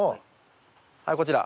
はいこちら。